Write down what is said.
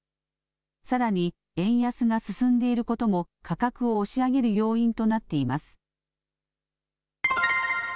さらに円安が進んでいることも価格を押し上げる要因となっています。